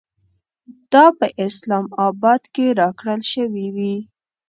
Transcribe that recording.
دا په اسلام اباد کې راکړل شوې وې.